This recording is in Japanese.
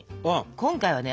今回はね